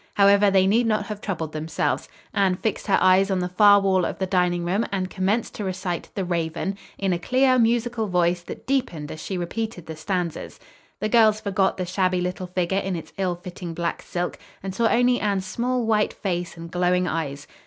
However, they need not have troubled themselves. Anne fixed her eyes on the far wall of the dining room and commenced to recite "The Raven" in a clear, musical voice that deepened as she repeated the stanzas. The girls forgot the shabby little figure in its ill fitting black silk and saw only Anne's small, white face and glowing eyes.